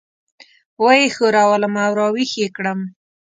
وه یې ښورولم او راويښ یې کړم.